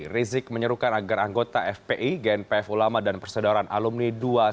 rizik menyerukan agar anggota fpi gnpf ulama dan persadaran alumni dua ratus dua belas